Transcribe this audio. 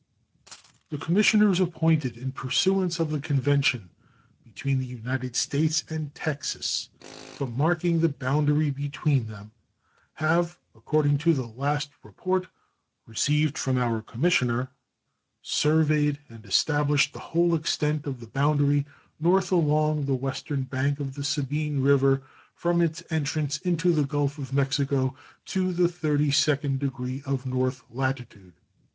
The commissioners appointed in pursuance of the convention between the United States and Texas for marking the boundary between them have, according to the last report received from our commissioner, surveyed and established the whole extent of the boundary north along the western bank of the Sabine River from its entrance into the Gulf of Mexico to the thirty second degree of north latitude.